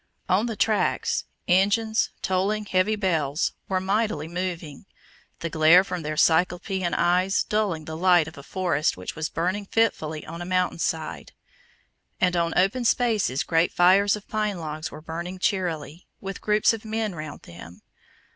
On the tracks, engines, tolling heavy bells, were mightily moving, the glare from their cyclopean eyes dulling the light of a forest which was burning fitfully on a mountain side; and on open spaces great fires of pine logs were burning cheerily, with groups of men round them.